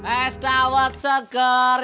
es dawat segar